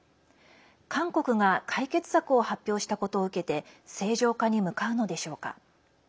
韓国が解決策を発表したことを受けて正常化に向かうのでしょうか。